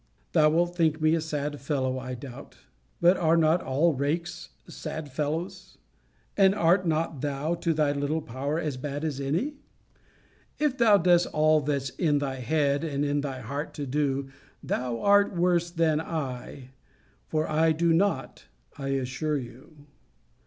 Thou wilt think me a sad fellow, I doubt. But are not all rakes sad fellows? And art not thou, to thy little power, as bad as any? If thou dost all that's in thy head and in thy heart to do, thou art worse than I; for I do not, I assure you.